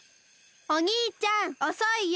おにいちゃんおそいよ！